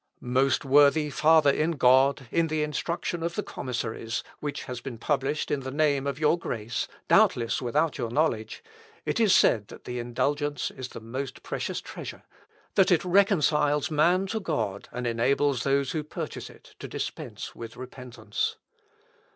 "Most worthy Father in God, in the Instruction of the commissaries, which has been published in name of your Grace, (doubtless without your knowledge,) it is said that the indulgence is the most precious treasure, that it reconciles man to God, and enables those who purchase it to dispense with repentance.